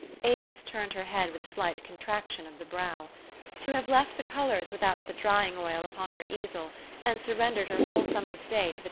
Avis turned her head with a slight contraction of the brow. To have left the colors without the drying oil upon her easel, and surrendered her whole summer's day to the THE STORY OF AVIS.